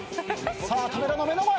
さあ扉の目の前。